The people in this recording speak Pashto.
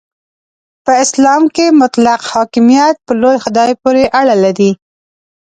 په اسلام کې مطلق حاکمیت په لوی خدای پورې اړه لري.